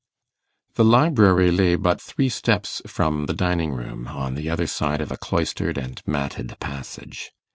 The library lay but three steps from the dining room, on the other side of a cloistered and matted passage.